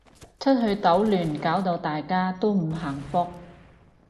出去搗亂搞到大家都唔幸福